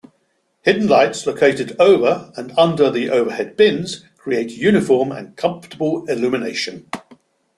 Hidden lights located over and under the overhead bins create uniform and comfortable illumination.